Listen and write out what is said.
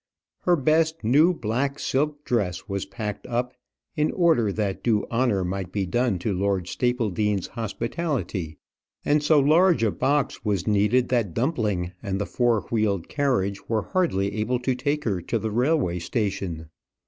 Her best new black silk dress was packed up in order that due honour might be done to Lord Stapledean's hospitality, and so large a box was needed that Dumpling and the four wheeled carriage were hardly able to take her to the railway station.